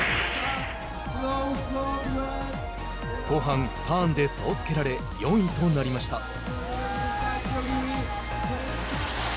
後半、ターンで差をつけられ４位となりました。